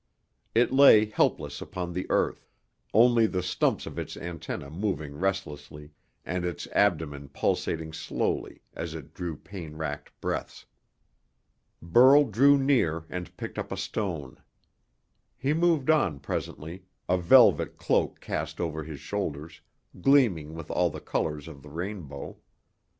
It lay helpless upon the earth, only the stumps of its antennae moving restlessly, and its abdomen pulsating slowly as it drew pain racked breaths. Burl drew near and picked up a stone. He moved on presently, a velvet cloak cast over his shoulders, gleaming with all the colors of the rainbow.